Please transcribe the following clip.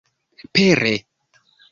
pere